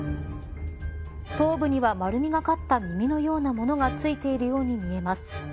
頭部には、丸みがかった耳のようなものがついているように見えます。